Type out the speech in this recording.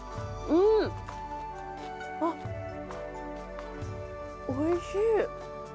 うん！あっ、おいしい。